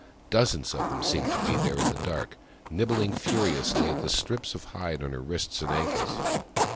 Dozens of them seemed to be there in the dark, nibbling furiously at the strips of hide on her wrists and ankles.